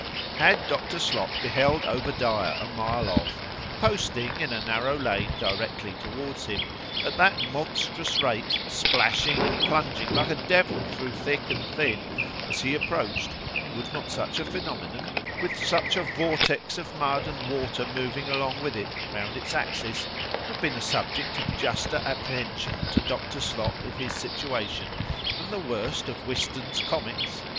Had Dr. Slop beheld Obadiah a mile off, posting in a narrow lane directly towards him, at that monstrous rate,—splashing and plunging like a devil thro' thick and thin, as he approached, would not such a phænomenon, with such a vortex of mud and water moving along with it, round its axis,—have been a subject of juster apprehension to Dr. Slop in his situation, than the worst of Whiston's comets?